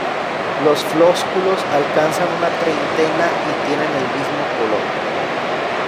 Los flósculos alcanzan una treintena y tienen el mismo color.